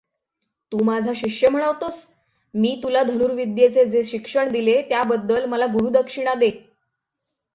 तू माझा शिष्य म्हणवतोस, मी तुला धनुर्विद्येचे जे शिक्षण दिले त्याबद्दल मला गुरूदक्षिणा दे.